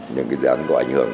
những cái dự án có ảnh hưởng